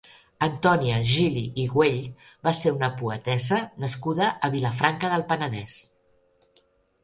Antonia Gili i Güell va ser una poetessa nascuda a Vilafranca del Penedès.